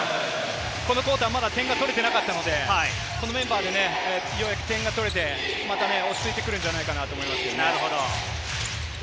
このコートは点が取れてなかったので、このメンバーでようやく点が取れて、また落ち着いてくるんじゃないかなと思います。